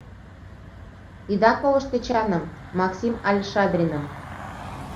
Ида колышт Эчаным, Максим але Шадриным!